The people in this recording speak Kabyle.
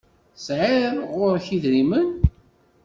Tesɛiḍ ɣur-k idrimen?